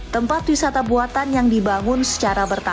tempat wisata buatan yang dibangun secara bertahap